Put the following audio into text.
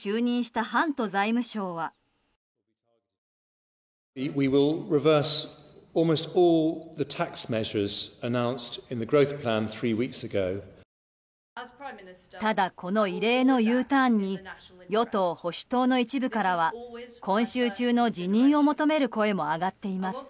ただ、この異例のＵターンに与党・保守党の一部からは今週中の辞任を求める声も上がっています。